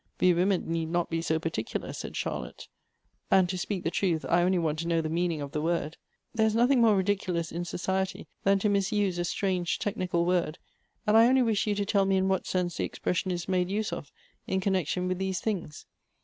" We women need not be so particular," said Charlotte; " and, to speak the truth, I only want to know the mean ins: of the word. There is nothing more ridiculous in society than to misuse a strange technical word ; and I only wish you to tell me in what sense the expression is made use of in connection with these things.